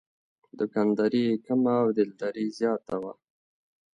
دوکانداري یې کمه او دلداري زیاته وه.